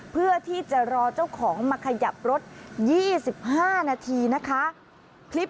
เพื่อที่จะรอเจ้าของมาขยับรถ๒๕นาทีนะคะ